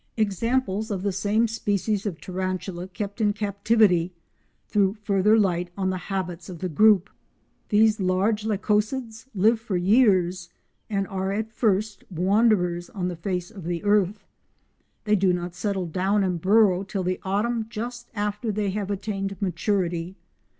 Examples of the same species of tarantula kept in captivity threw further light of the habits of the group. These large Lycosids live for years, and though stay at homes when rangé so to speak, they are at first wanderers on the face of the earth. They do not settle down and burrow till the autumn just after they have attained maturity.